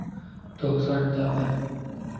توک سڏتاڪن